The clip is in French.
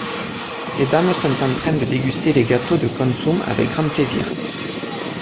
Ces dames sont en train de déguster les gâteaux de Konsum avec grand plaisir.